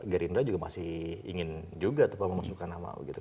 gerindra juga masih ingin juga memasukkan nama begitu